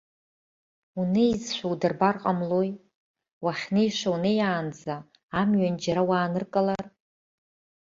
Унеизшәа удырбар ҟамлои, уахьнеиша унеиаанӡа амҩан џьара уааныркылар?